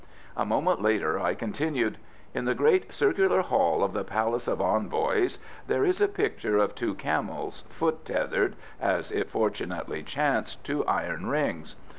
A moment later I continued, "In the great Circular Hall of the Palace of Envoys there is a picture of two camels, foot tethered, as it fortunately chanced, to iron rings.